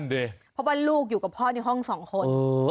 เพราะว่าลูกอยู่กับพ่อในห้องสองคน